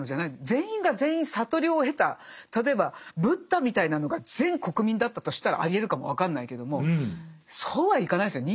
全員が全員悟りを経た例えばブッダみたいなのが全国民だったとしたらありえるかも分かんないけどもそうはいかないですよ。